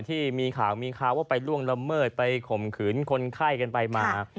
ที่มีข่าวมีข่าวว่าไปล่วงละเมิดไปข่มขืนคนไข้กันไปมา